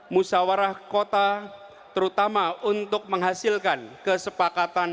musawarah kota terutama untuk menghasilkan kesepakatan